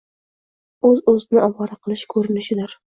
o‘z-o‘zni ovora qilish ko‘rinishidir.